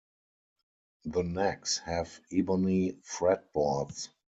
The necks have ebony fret boards.